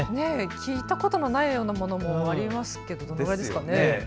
聞いたことのないようなものもありますけれどどれぐらいですかね。